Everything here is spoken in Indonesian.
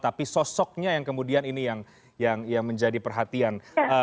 tapi sosoknya yang kemudian ini yang menjadi perhatian